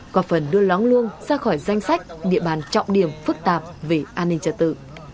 có phần đưa lóng luông ra khỏi danh sách địa bàn trọng điểm phức tạp về an ninh trật tự